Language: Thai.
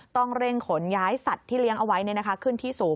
ต้องเร่งขนย้ายสัตว์ที่เลี้ยงเอาไว้ขึ้นที่สูง